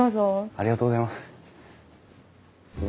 ありがとうございます。